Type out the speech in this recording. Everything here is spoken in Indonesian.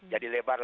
jadi lebar apa